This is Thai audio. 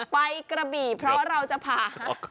ไปกระบีเพราะว่าเราจะพา